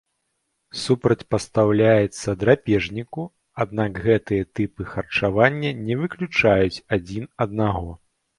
Супрацьпастаўляецца драпежніку, аднак гэтыя тыпы харчавання не выключаюць адзін аднаго.